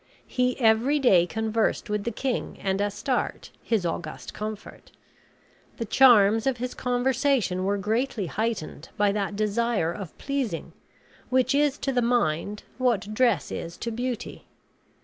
He every day conversed with the king and Astarte, his august comfort. The charms of his conversation were greatly heightened by that desire of pleasing, which is to the mind what dress is to beauty.